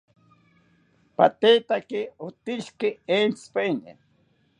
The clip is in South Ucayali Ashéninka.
Patetaki otishiki entzipaete